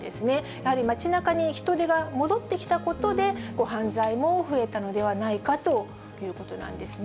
やはり街なかに人出が戻ってきたことで、犯罪も増えたのではないかということなんですね。